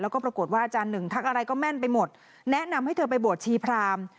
แล้วก็ปรากฏว่าอาจารย์หนึ่งทักอะไรก็แม่นไปหมดแนะนำให้เธอไปบวชชีพราม